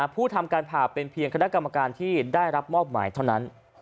ผู้ทำการผ่าเป็นเพียงคณะกรรมการที่ได้รับมอบหมายเท่านั้น